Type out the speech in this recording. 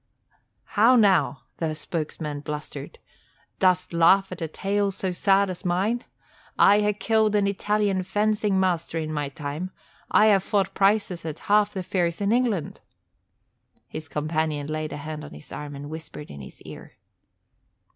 "How now!" the spokesman blustered. "Dost laugh at a tale so sad as mine? I ha' killed an Italian fencing master in my time. I ha' fought prizes at half the fairs in England." His companion laid a hand on his arm and whispered in his ear.